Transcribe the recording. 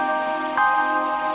nah kita kemana